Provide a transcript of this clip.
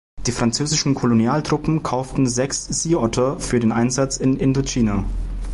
Die französischen Kolonialtruppen kauften sechs Sea Otter für den Einsatz in Indochina.